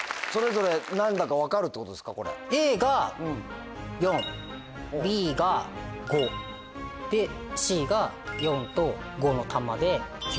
Ａが４Ｂが５。でＣが４と５の玉で９。